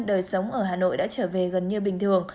đời sống ở hà nội đã trở về gần như bình thường